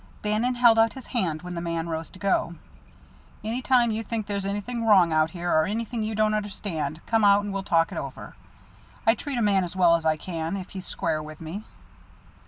Bannon held out his hand when the man rose to go. "Any time you think there's something wrong out here, or anything you don't understand, come out and we'll talk it over. I treat a man as well as I can, if he's square with me."